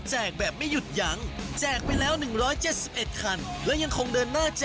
จากจังหวัดนครศรีธรรมราช